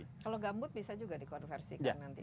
kalau gambut bisa juga dikonversikan nanti